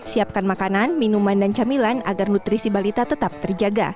siapkan makanan minuman dan camilan agar nutrisi balita tetap terjaga